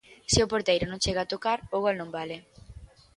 Se o porteiro non chega a tocar o gol non vale.